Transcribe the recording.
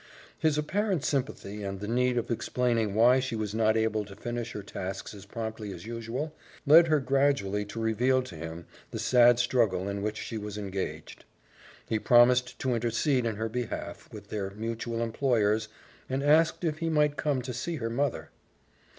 His apparent sympathy, and the need of explaining why she was not able to finish her tasks as promptly as usual, led her gradually to reveal to him the sad struggle in which she was engaged. He promised to intercede in her behalf with their mutual employers, and asked if he might come to see her mother.